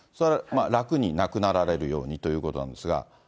楽に亡くなられるようにということなんですが。